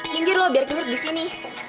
minggir lo biar kimi duduk disini